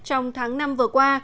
trong tháng năm vừa qua